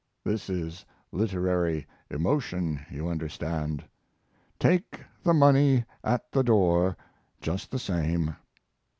(This is literary emotion, you understand. Take the money at the door just the same.)